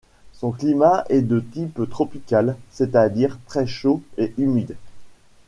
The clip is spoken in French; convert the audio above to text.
Son climat est de type tropical, c’est-à-dire très chaud et humide.